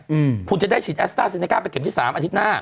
อืมคุณจะได้ฉีดแอสต้าเซเนก้าไปเข็มที่สามอาทิตย์หน้า